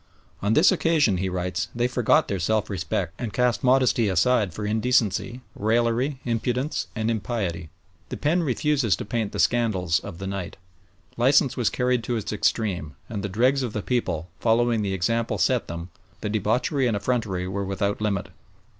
"On this occasion," he writes, "they forgot their self respect and cast modesty aside for indecency, raillery, impudence, and impiety. The pen refuses to paint the scandals of the night. Licence was carried to its extreme, and the dregs of the people, following the example set them, the debauchery and effrontery were without limit."